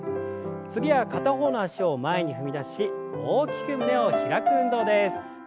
次は片方の脚を前に踏み出し大きく胸を開く運動です。